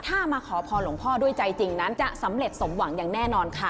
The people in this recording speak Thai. ถ้ามาขอพรหลวงพ่อด้วยใจจริงนั้นจะสำเร็จสมหวังอย่างแน่นอนค่ะ